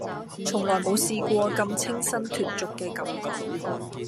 從來冇試過咁清新脫俗嘅感覺